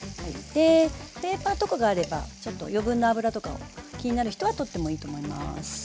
ペーパーとかがあればちょっと余分な脂とかを気になる人は取ってもいいと思います。